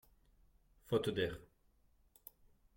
Faute d’air